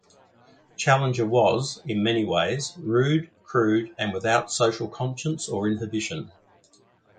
Challenger was, in many ways, rude, crude, and without social conscience or inhibition.